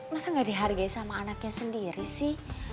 masa gak dihargai sama anaknya sendiri sih